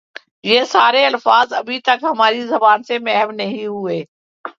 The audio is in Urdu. یہ سارے الفاظ ابھی تک ہماری زبان سے محو نہیں ہوئے